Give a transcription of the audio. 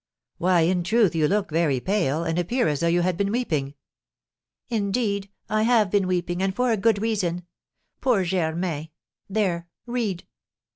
"Why, in truth, you look very pale, and appear as though you had been weeping." "Indeed, I have been weeping, and for a good reason. Poor Germain! There read!"